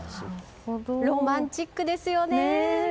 ロマンチックですよね。